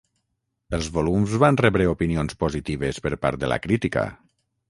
Els volums van rebre opinions positives per part de la crítica.